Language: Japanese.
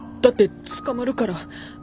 だって捕まるから。